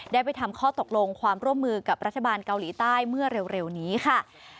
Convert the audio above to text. ได้ไปทำข้อตกลงความร่วมมือกับรัฐบาลเกาหลีใต้เมื่อเร็วนี้ค่ะ